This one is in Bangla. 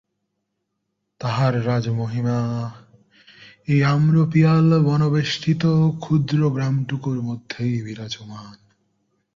তাঁহার রাজমহিমা এই আম্রপিয়ালবনবেষ্টিত ক্ষুদ্র গ্রামটুকুর মধ্যেই বিরাজমান।